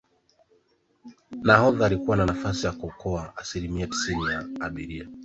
nahodha alikuwa na nafasi ya kuokoa asilimia tisini ya abiria